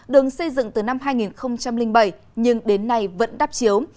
đường xây dựng từ năm hai nghìn bảy nhưng đến nay vẫn đắp chiếu